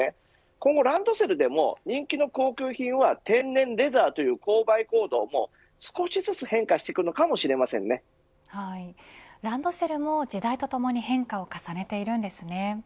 今後ランドセルでも人気の高級品は天然レザーという購買行動も少しずつ変化していくのかもランドセルも時代とともに変化を重ねているんですね。